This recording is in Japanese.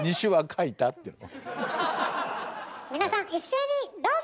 皆さん一斉にどうぞ！